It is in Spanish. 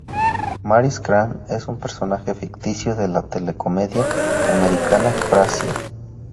Maris Crane es un personaje ficticio de la telecomedia americana "Frasier".